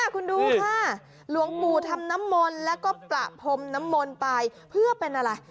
คุณดูค่ะหลวงปู่ทำน้ำมนต์แล้วก็ประพรมน้ำมนต์ไปเพื่อเป็นอะไร